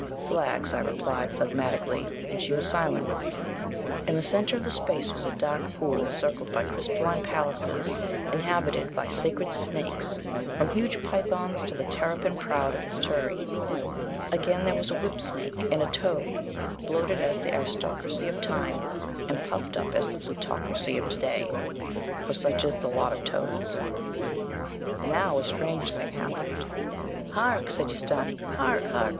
'Flags,' I replied phlagmatically, and she was silent. In the centre of the space was a dark pool, circled by crystalline palaces inhabited by the sacred snakes, from huge pythons to the terrapin proud of his tureen. Again, there was a whipsnake, and a toad, bloated as the aristocracy of old time, and puffed up as the plutocracy of to day. For such is the lot of toads! Now a strange thing happened. 'Hark!' said Ustâni; '_hark! hark!